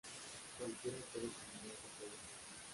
cualquiera puede examinar su código